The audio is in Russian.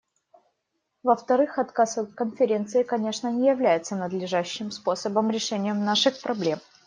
Во-вторых, отказ от Конференции, конечно, не является надлежащим способом решения наших проблем.